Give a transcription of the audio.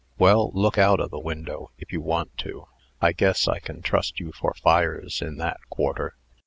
Well, look out o' the window, if you want to. I guess I can trust you for fires in that quarter."